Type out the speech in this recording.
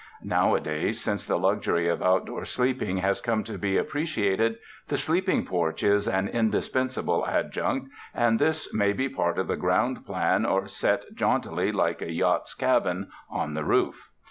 Nowadays, since the luxury of outdoor sleeping has come to be appreci ated, the sleeping porch is an indispensable ad junct, and this may be part of the ground plan or set jauntily, like a yacht's cabin, on the roof.